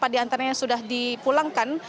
empat diantaranya sudah dipulangkan